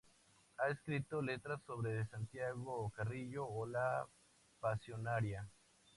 Han escrito letras sobre Santiago Carrillo o la Pasionaria.